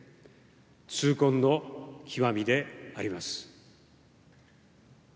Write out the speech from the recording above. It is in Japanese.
痛恨の極みであります。